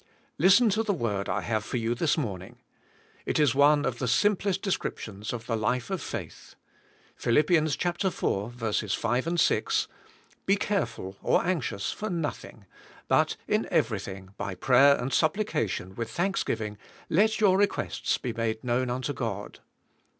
Listen to the word I have for you this morning". It is one of the simplest descriptions of the life of faith. Phil. 4: 5 6— " Be careful (or anxious) for nothing, but in everything by prayer and supplication with thanksgiving let your requests be made known unto God."